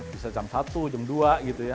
bisa jam satu jam dua gitu ya